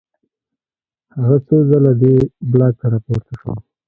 هغه څو ځله دې بلاک ته راپورته شو